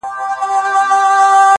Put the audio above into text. چي هر لوري ته یې واچول لاسونه -